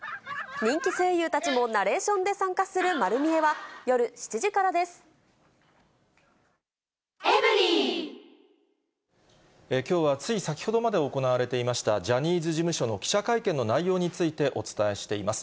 人気声優たちもナレーションで参加するまる見えは、夜７時からできょうは、つい先ほどまで行われていました、ジャニーズ事務所の記者会見の内容について、お伝えしています。